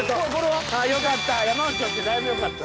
よかった。